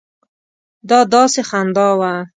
دا داسې خندا وه.